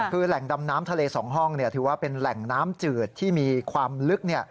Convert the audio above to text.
คือแหล่งดำน้ำทะเล๒ห้องถือว่าเป็นแหล่งน้ำจืดที่มีความลึก